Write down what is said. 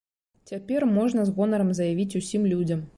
Цяпер можна з гонарам заявіць усім людзям.